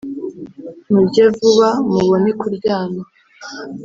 murye vuba mubone kuryama